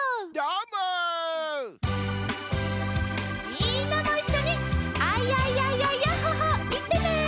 みんなもいっしょに「アイヤイヤイヤイヤッホ・ホー」いってね。